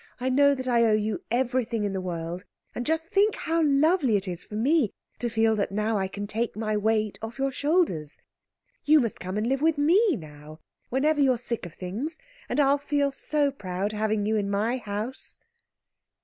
I know that I owe you everything in the world, and just think how lovely it is for me to feel that now I can take my weight off your shoulders! You must come and live with me now, whenever you are sick of things, and I'll feel so proud, having you in my house!"